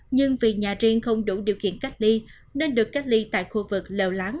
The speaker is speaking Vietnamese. nhưng vì nhà riêng không đủ điều kiện cách ly nên được cách ly tại khu vực lèo láng